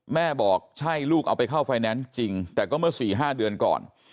แม่บอกใช่ลูกเอาไปเข้าไฟแนนซ์จริงแต่ก็เมื่อ๔๕เดือนก่อน